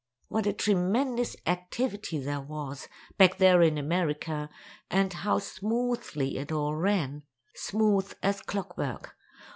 What a tremendous activity there was, back there in America, and how smoothly it all ran—smooth as clock work!